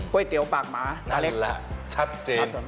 ก๋วยเตี๋ยวปากหมาตาเล็กนั่นแหละชัดจริง